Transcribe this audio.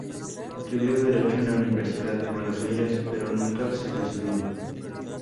Estudió derecho en la Universidad de Buenos Aires, pero nunca se recibió.